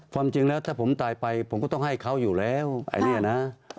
ความจริงแล้วถ้าผมตายไปผมก็ต้องให้เขาอยู่แล้วไอ้เนี่ยนะ